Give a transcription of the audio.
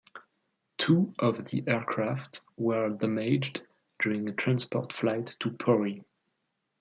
Two of the aircraft were damaged during a transport flight to Pori.